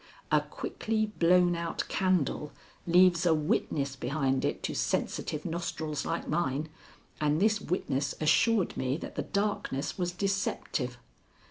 A quickly blown out candle leaves a witness behind it to sensitive nostrils like mine, and this witness assured me that the darkness was deceptive.